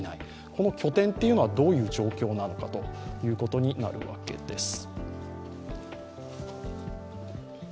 この拠点は、どういう状況なのかということになるわけです。